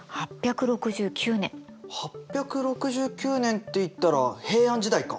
８６９年っていったら平安時代か。